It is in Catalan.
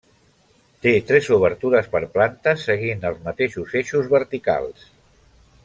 Té tres obertures per planta seguint els mateixos eixos verticals.